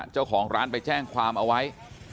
เจ้าของร้านไปแจ้งความเอาไว้